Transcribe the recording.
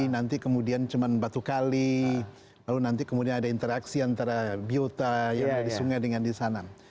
nanti kemudian cuma batukali kemudian ada interaksi antara biota sungai dengan biota di sana